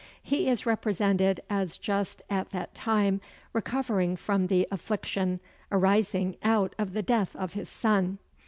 He is represented as just at that time recovering from the affliction arising out of the death of his son.